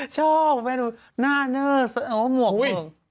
ชอบแม่หนูหน้าเนื้อเหมือนว่าหมวกเกิง